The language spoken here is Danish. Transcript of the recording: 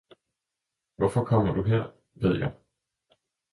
hvorfor du kommer her, ved jeg.